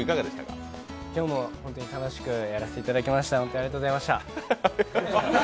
今日も楽しくやらせていただきました、ありがとうございました。